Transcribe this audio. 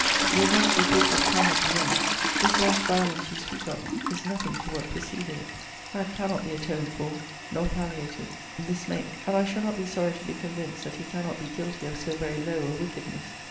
The amends you talk of cannot be made. This last violence you speak of, is nothing to what preceded it. That cannot be atoned for: nor palliated: this may: and I shall not be sorry to be convinced that he cannot be guilty of so very low a wickedness.